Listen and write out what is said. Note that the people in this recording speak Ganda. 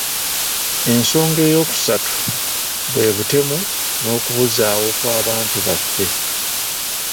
Ensoga eyokusatu, bwe butemu n'okubuzaawo kw'abantu baffe.